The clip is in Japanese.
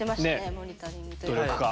モニタリングというか。